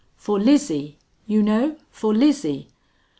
"For Lizzie, you know, for Lizzie."